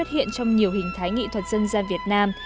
hiện trong nhiều hình thái nghệ thuật dân gian việt nam